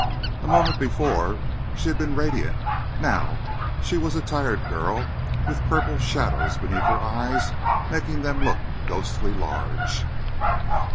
A moment before she had been radiant now she was a tired girl with purple shadows beneath her eyes making them look ghostly large.